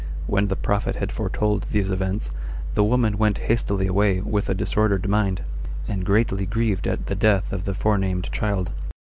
When the prophet had foretold these events, the woman went hastily away with a disordered mind, and greatly grieved at the death of the forenamed child.